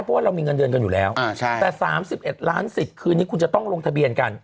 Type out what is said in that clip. เพราะว่าเรามีเงินเดือนกันอยู่แล้วแต่๓๑ล้านสิทธิ์คืนนี้คุณจะต้องลงทะเบียนกัน